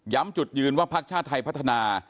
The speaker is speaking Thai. จุดยืนว่าพักชาติไทยพัฒนา